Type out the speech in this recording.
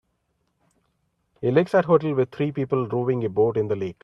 A lakeside hotel with three people rowing a boat in the lake.